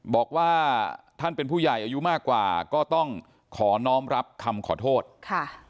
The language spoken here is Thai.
บอกว่าท่านเป็นผู้ใหญ่อายุมากกว่าก็ต้องขอน้องรับคำขอโทษค่ะ